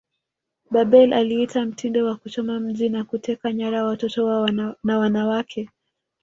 Babel aliita mtindo wa kuchoma mji na kuteka nyara watoto na wanawake